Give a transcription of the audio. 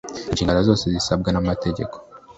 inshingano zose zisabwa n’amategeko